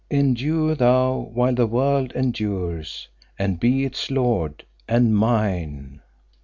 Endure thou while the world endures, and be its lord, and mine."